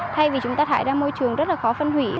thay vì chúng ta thải ra môi trường rất là khó phân hủy